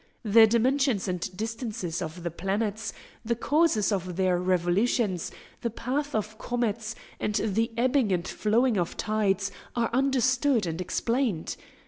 The dimensions and distances of the planets, the causes of their revolutions, the path of comets, and the ebbing and flowing of tides are understood and explained.